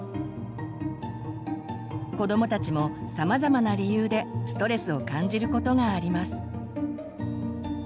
子どもたちもさまざまな理由でストレスを感じることがあります。